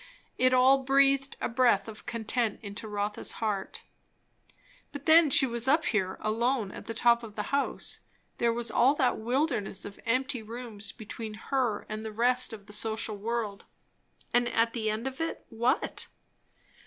It all breathed a breath of content into Rotha's heart. But then, she was up here alone at the top of the house; there was all that wilderness of empty rooms between her and the rest of the social world; and at the end of it, what?